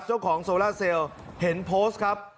เจ้าของโซร่าเซลล์เห็นโพสต์ครับ